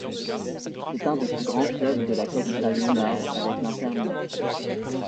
C'est un des deux grands clubs de la capitale lombarde avec l'Inter Milan.